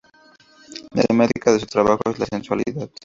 La temática de su trabajo es la sensualidad.